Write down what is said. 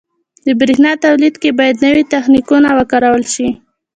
• د برېښنا تولید کې باید نوي تخنیکونه وکارول شي.